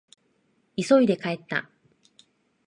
急いで帰った。